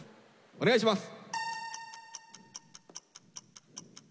お願いします。